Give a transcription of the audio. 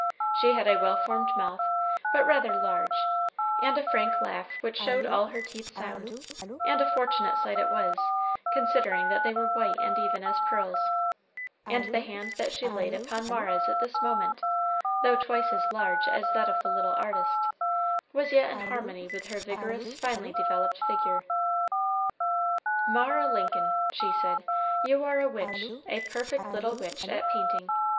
She had a well formed mouth, but rather large, and a frank laugh which showed all her teeth sound and a fortunate sight it was, considering that they were white and even as pearls; and the hand that she laid upon Mara's at this moment, though twice as large as that of the little artist, was yet in harmony with her vigorous, finely developed figure. "Mara Lincoln," she said, "you are a witch, a perfect little witch, at painting.